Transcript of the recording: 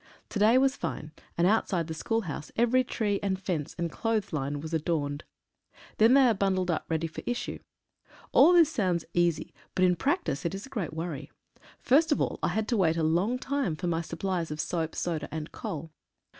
To day was fine, and outside th e school house every tree and fence and clothes line was adorned. Then they are bundled up ready lor issue. All this sounds easy, but in practice is a great worry. First of all I had to wait a long time for my supplies of soap, soda, and coal.